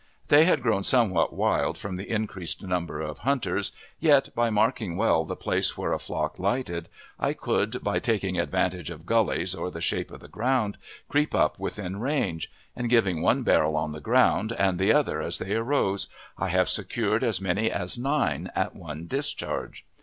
They had grown somewhat wild from the increased number of hunters, yet, by marking well the place where a flock lighted, I could, by taking advantage of gullies or the shape of the ground, creep up within range; and, giving one barrel on the ground, and the other as they rose, I have secured as many as nine at one discharge.